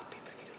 papi pergi dulu